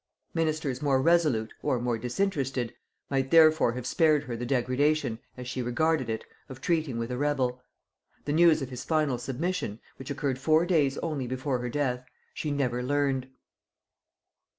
Ministers more resolute, or more disinterested, might therefore have spared her the degradation, as she regarded it, of treating with a rebel. The news of his final submission, which occurred four days only before her death, she never learned.